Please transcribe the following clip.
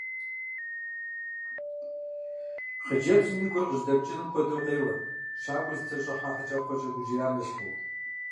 Хъыджэбзым и гур къыжьэдэпкӀыным хуэдэу къеуэрт, щакӀуэр зылъэщӀыхьа хьэкӀэкхъуэкӀэ гужьеям ещхьу.